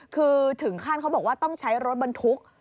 คือถึงขั้นเขาบอกว่าต้องใช้รถบรรทุก